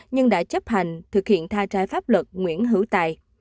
nhưng đã chấp hành thực hiện tha trái pháp luật nguyễn hữu tài